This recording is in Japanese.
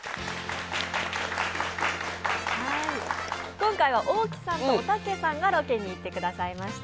今回は大木さんとおたけさんがロケに行ってくれました。